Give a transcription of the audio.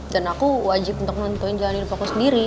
dan aku wajib untuk nontonin jalan hidup aku sendiri